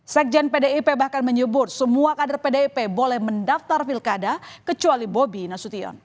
sekjen pdip bahkan menyebut semua kader pdip boleh mendaftar pilkada kecuali bobi nasution